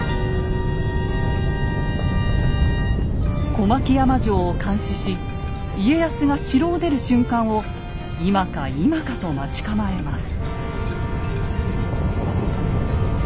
小牧山城を監視し家康が城を出る瞬間を今か今かと待ち構えます。